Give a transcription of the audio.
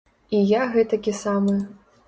І я гэтакі самы.